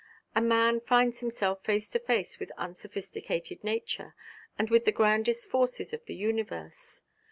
A man finds himself face to face with unsophisticated nature, and with the grandest forces of the universe.